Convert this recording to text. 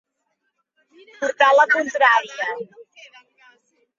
Portar la contrària.